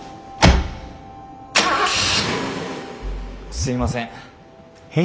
すいません。